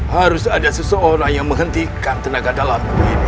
harus ada seseorang yang menghentikan tenaga dalam